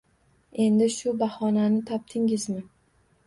Endi, shu bahonani topdingizmi?